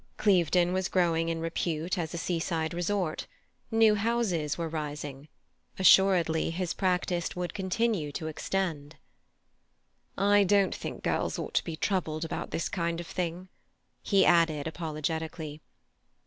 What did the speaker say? Clevedon was growing in repute as a seaside resort; new houses were rising; assuredly his practice would continue to extend. "I don't think girls ought to be troubled about this kind of thing," he added apologetically.